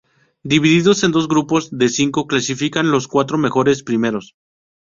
Divididos en dos grupos de cinco, clasifican los cuatro mejores primeros.